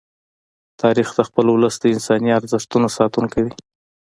تاریخ د خپل ولس د انساني ارزښتونو ساتونکی دی.